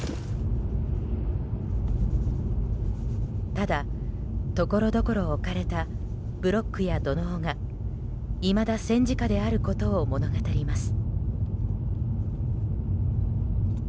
ただ、ところどころ置かれたブロックや土のうがいまだ戦時下であることを物語ります。